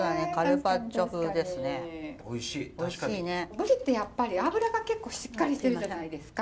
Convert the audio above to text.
ぶりってやっぱり脂が結構しっかりしてるじゃないですか。